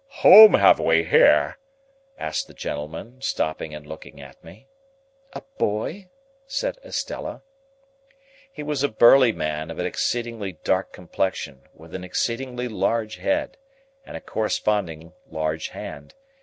"Whom have we here?" asked the gentleman, stopping and looking at me. "A boy," said Estella. He was a burly man of an exceedingly dark complexion, with an exceedingly large head, and a corresponding large hand.